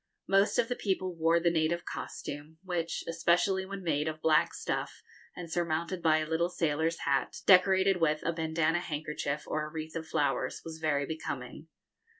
Most of the people wore the native costume, which, especially when made of black stuff and surmounted by a little sailor's hat, decorated with a bandana handkerchief or a wreath of flowers, was very becoming.